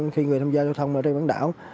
khi người tham gia giao thông trên bán đảo